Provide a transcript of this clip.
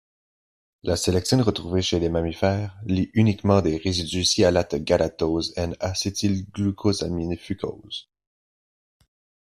Les sélectines retrouvées chez les mammifères lient uniquement des résidus sialate-galatose-N-Acétylglucosamine-fucose.